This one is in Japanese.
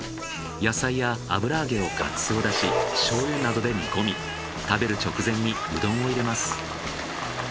野菜や油揚げをかつお出汁醤油などで煮込み食べる直前にうどんを入れます。